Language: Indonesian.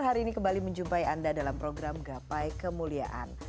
hari ini kembali menjumpai anda dalam program gapai kemuliaan